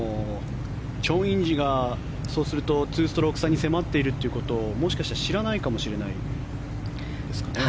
チョン・インジがそうすると２ストローク差に迫っているということをもしかしたら知らないかもしれないですかね？